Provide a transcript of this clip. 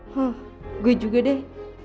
hmm gue juga deh